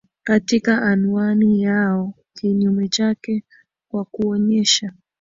katika anwani yao Kinyume chake kwa kuonyesha